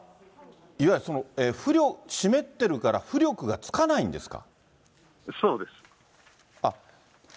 いわゆる、湿ってるから浮力がつかないんですか。